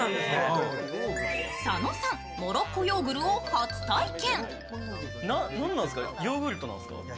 佐野さん、モロッコヨーグルを初体験。